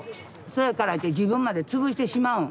そやからって自分までつぶしてしまうん？